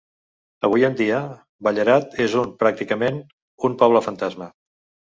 Avui en dia, Ballarat és un pràcticament un poble fantasma.